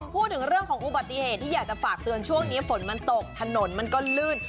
พูดถึงเรื่องของอุบัติเหตุที่อยากจะฝากเตือนช่วงนี้ฝนมันตกถนนมันก็ลื่น